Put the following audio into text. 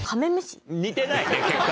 似てないね結果。